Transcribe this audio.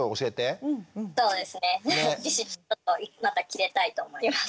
そうですねまたキレたいと思います。